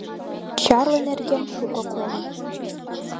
Чарла нерген шуко колын.